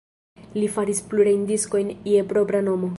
Li faris plurajn diskojn je propra nomo.